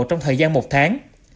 trong thời gian một tháng